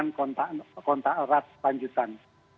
untuk penelusuran kontak erat panjutan